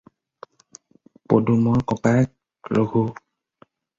পদুমৰ ককায়েক ৰঘু।